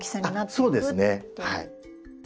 そうですねはい。